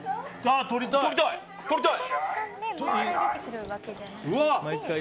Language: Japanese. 撮りたい！